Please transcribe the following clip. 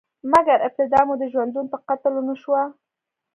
مګر، ابتدا مو د ژوندون په قتل ونشوه؟